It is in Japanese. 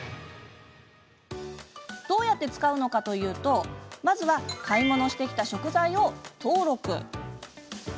どうやって使うのかというとまずは買い物してきた食材を登録。